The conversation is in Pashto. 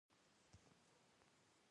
زه د خدای جل جلاله څخه بېرېږم.